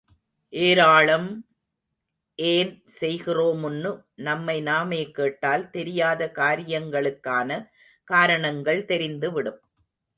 ஏராளம்... ஏன்... செய்கிறோமுன்னு நம்மை நாமே கேட்டால், தெரியாத காரியங்களுக்கான காரணங்கள் தெரிந்து விடும்.